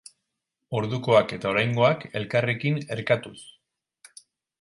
Ordukoak eta oraingoak elkarrekin erkatuz.